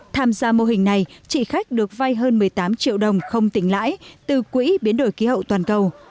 tham gia mô hình này chị khách được vay hơn một mươi tám triệu đồng không tỉnh lãi từ quỹ biến đổi khí hậu toàn cầu